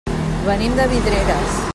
Venim de Vidreres.